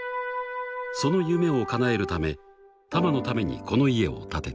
［その夢をかなえるためタマのためにこの家を建てた］